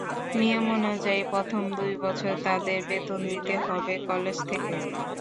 নিয়ম অনুযায়ী প্রথম দুই বছর তাঁদের বেতন দিতে হবে কলেজ থেকে।